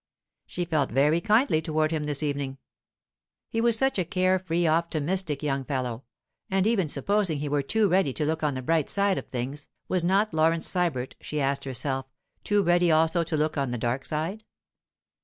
She felt very kindly toward him this evening. He was such a care free, optimistic young fellow; and even supposing he were too ready to look on the bright side of things, was not Laurence Sybert, she asked herself, too ready also to look on the dark side?